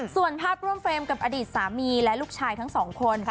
ส่วนภาพร่วมเฟรมกับอดีตสามีและลูกชายทั้งสองคน